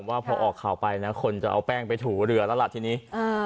ว่าพอออกข่าวไปนะคนจะเอาแป้งไปถูเรือแล้วล่ะทีนี้อ่า